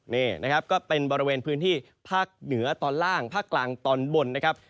นี่นะครับก็เป็นบริเวณพื้นที่ภาคเหนือตอนล่างภาคกลางตอนบนนะครับ